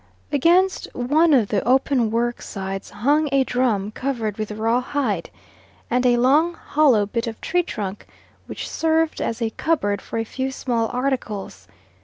Against one of the open work sides hung a drum covered with raw hide, and a long hollow bit of tree trunk, which served as a cupboard for a few small articles.